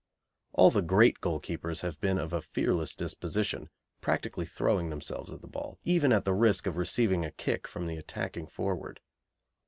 All the great goalkeepers have been of a fearless disposition, practically throwing themselves at the ball, even at the risk of receiving a kick from the attacking forward.